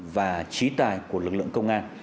và trí tài của lực lượng công an